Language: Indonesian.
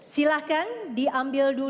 silakan diambil dukungan